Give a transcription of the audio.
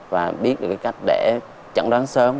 và biết được cách để chẩn đoán sớm